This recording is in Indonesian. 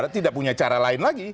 tidak punya cara lain lagi